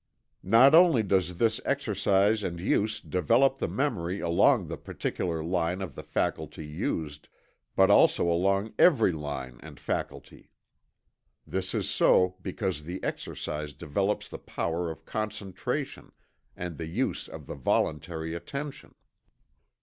Not only does this exercise and use develop the memory along the particular line of the faculty used, but also along every line and faculty. This is so because the exercise develops the power of concentration, and the use of the voluntary attention.